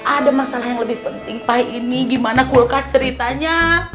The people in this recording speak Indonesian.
ada masalah yang lebih penting pie ini gimana kulkas ceritanya